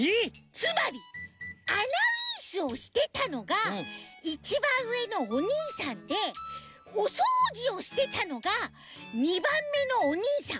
つまりアナウンスをしてたのが１ばんうえのおにいさんでおそうじをしてたのが２ばんめのおにいさん。